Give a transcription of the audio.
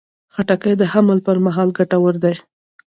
خټکی د حمل پر مهال ګټور دی.